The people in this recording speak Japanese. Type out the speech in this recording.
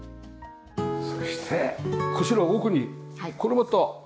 そしてこちら奥にこれまたねっ。